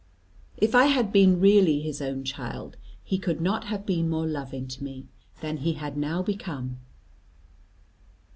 If I had been really his own child, he could not have been more loving to me, than he had now become.